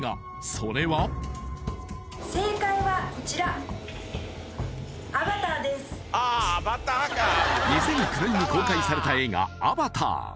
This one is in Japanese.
それは２００９年に公開された映画「アバター」